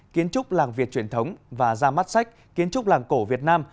kiến trúc làng việt truyền thống và ra mắt sách kiến trúc làng cổ việt nam